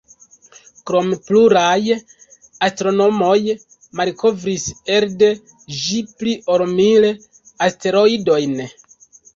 Krome, pluraj astronomoj malkovris elde ĝi pli ol mil asteroidojn.